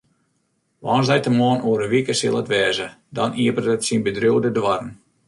Woansdeitemoarn oer in wike sil it wêze, dan iepenet syn bedriuw de doarren.